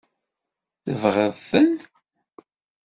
Tebɣiḍ-ten?